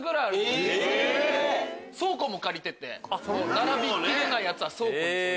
並びきれないやつは倉庫に。